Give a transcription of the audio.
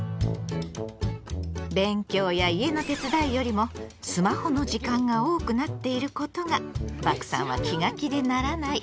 勉強や家の手伝いよりもスマホの時間が多くなっていることがバクさんは気が気でならない。